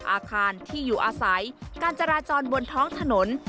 อาคารที่อยู่อาศัยการจราจรบนท้องถนน